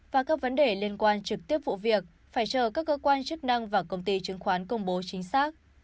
và các vấn đề liên quan trực tiếp vụ việc phải chờ các cơ quan chức năng và công ty chứng khoán công bố chính xác